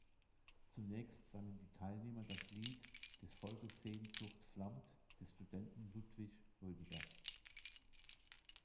Zunächst sangen die Teilnehmer das Lied „Des Volkes Sehnsucht flammt“ des Studenten Ludwig Roediger.